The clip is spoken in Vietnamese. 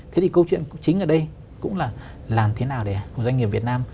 thế thì câu chuyện chính ở đây cũng là làm thế nào để một doanh nghiệp việt nam